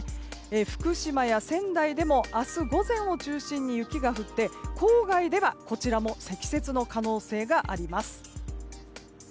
福島や仙台でも明日午前を中心に雪が降って郊外では、こちらも積雪の可能性があります。